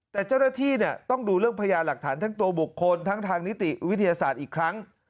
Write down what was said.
แต่เจ้าหน้าที่ต้องดูเรื่องพยานหลักฐานทั้งตัวบุคคลทั้งทางนิติวิทยาศาสตร์อีกครั้ง